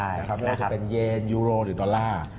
ไม่ว่าจะเป็นเยนยูโรหรือดอลลาร์